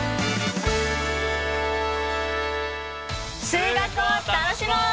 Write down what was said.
数学を楽しもう！